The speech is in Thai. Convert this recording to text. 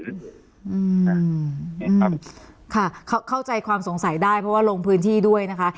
อืมค่ะเข้าใจความสงสัยได้เพราะว่าลงพื้นที่ด้วยนะคะ